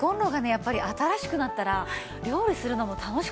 やっぱり新しくなったら料理するのも楽しくなりますよね。